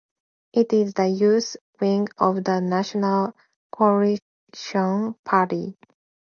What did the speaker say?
It is the youth wing of the National Coalition Party.